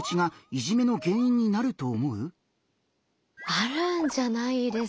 あるんじゃないですかね。